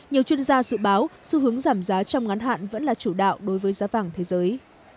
nhiều chuyên gia dự báo xu hướng giảm giá trong ngắn hạn vẫn là chủ đạo đối với giá vàng thế giới